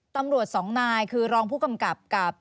ตำรวจสองนายคือรองผู้กำกับกับ